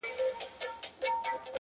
زما پر سهادت ملا ده دا فتواء ورکړې _